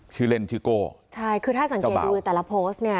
ชื่อเล่นชื่อโก้ใช่คือถ้าสังเกตดูในแต่ละโพสต์เนี่ย